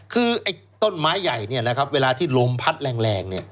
คือไอ้ต้นไม้ใหญ่เนี้ยนะครับเวลาที่ลมพัดแรงแรงเนี้ย